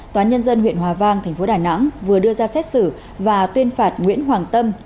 tòa nhân dân huyện hòa vang thành phố đài nẵng vừa đưa ra xét xử và tuyên phạt nguyễn hoàng tâm